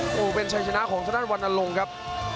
โอ้โหเป็นชัยชนะของทางด้านวันอลงครับ